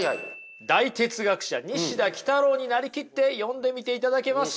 大哲学者西田幾多郎になりきって読んでみていただけますか。